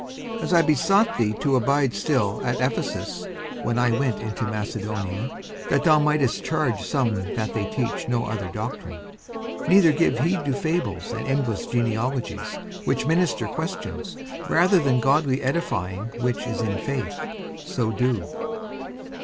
54:001:003 As I besought thee to abide still at Ephesus, when I went into Macedonia, that thou mightest charge some that they teach no other doctrine, 54:001:004 Neither give heed to fables and endless genealogies, which minister questions, rather than godly edifying which is in faith: so do.